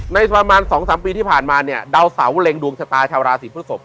ในประมาณ๒๓ปีที่ผ่านมาเนี่ยดาวเสาเล็งดวงชะตาชาวราศีพฤศพ